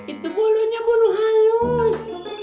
itu bulunya bulu halus